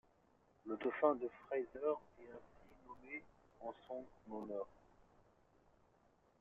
Le Dauphin de Fraser est ainsi nommé en son honneur.